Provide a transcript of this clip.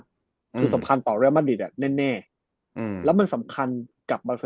คือสำคัญต่อเรียลมาตรวินอ่ะแน่นแน่อืมแล้วมันสำคัญกับ